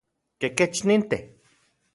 ¿Kekech nintej?